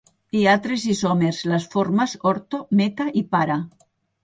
Hi ha tres isòmers: les formes "orto-", "meta-", i "para-".